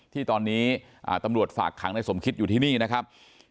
ที่ตอนนี้ตำรวจฝากขังในสมคิดอยู่ที่นี่นะครับ